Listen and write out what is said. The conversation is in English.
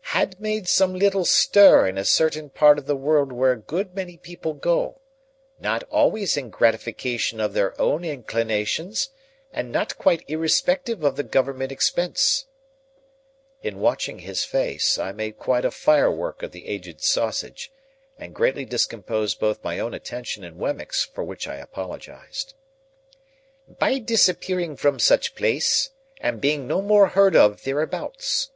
"—Had made some little stir in a certain part of the world where a good many people go, not always in gratification of their own inclinations, and not quite irrespective of the government expense—" In watching his face, I made quite a firework of the Aged's sausage, and greatly discomposed both my own attention and Wemmick's; for which I apologised. "—By disappearing from such place, and being no more heard of thereabouts.